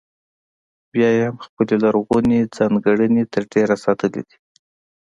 بیا یې هم خپلې لرغونې ځانګړنې تر ډېره ساتلې دي.